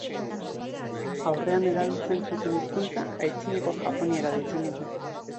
Aurrean erabiltzen zuten hizkuntza Antzinako japoniera deitzen dute.